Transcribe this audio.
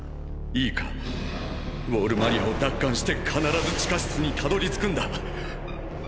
いいかウォール・マリアを奪還して必ず地下室にたどりつくんだ。